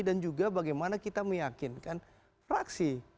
dan juga bagaimana kita meyakinkan fraksi